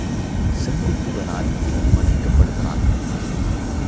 செங்குட்டு வனால் இவன் மதிக்கப்படுகிறான்.